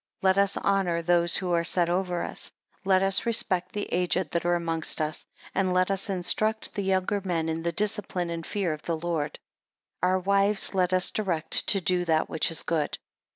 7 Let us honour those who are set over us; let us respect the aged that are amongst us; and let us instruct the younger men, in the discipline and fear of the LORD. 8 Our wives let us direct, to do that which is good.